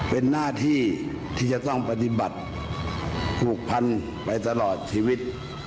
เป็นหน้าที่ที่จะต้องปฏิบัติผูกพันไปตลอดชีวิต